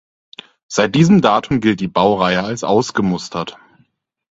Seit diesem Datum gilt die Baureihe als ausgemustert.